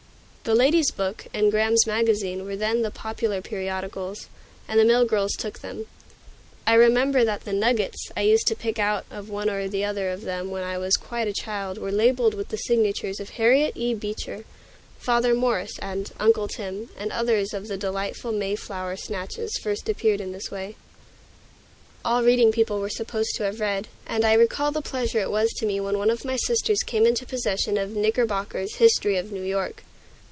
"The Lady's Book" and "Graham's Magazine" were then the popular periodicals, and the mill girls took them. I remember that the "nuggets" I used to pick out of one or the other of them when I was quite a child were labeled with the signature of Harriet E. Beecher. "Father Morris," and "Uncle Tim," and others of the delightful "May Flower" snatches first appeared in this way. Irving's "Sketch Book" all reading people were supposed to have read, and I recall the pleasure it was to me when one of my sisters came into possession of "Knickerbocker's History of New York."